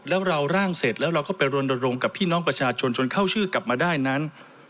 แล้วเราร่างเสร็จแล้วเราก็ไปรณรงค์กับพี่น้องประชาชนจนเข้าชื่อกลับมาได้นั้น